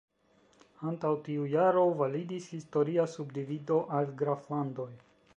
Antaŭ tiu jaro validis historia subdivido al "graflandoj".